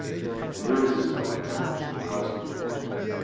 An irresistible attraction caused me to enter.